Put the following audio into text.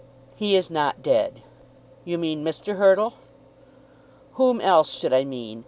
He is not dead." "You mean Mr. Hurtle." "Whom else should I mean?